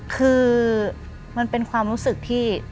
คือมันเป็นความรู้สึกที่